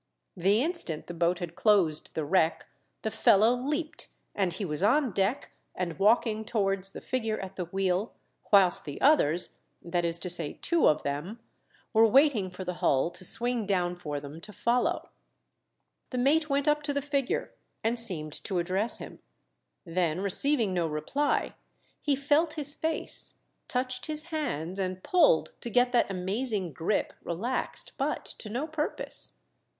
The instant the boat had closed the wreck the fellow leaped, and he was on deck and walking towards the figure at the wheel, whilst the others — that is to say, two of them — were waiting for the hull to swing down for them to follow. 29S THE DEATH SHIP. The mate went up to the figure, and seemed to address him ; then, receiving no reply, he felt his face, touched his hands, and pulled to get that amazing grip relaxed, but to no purpose.